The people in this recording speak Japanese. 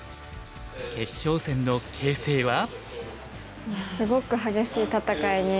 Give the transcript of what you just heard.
決勝戦の形勢は？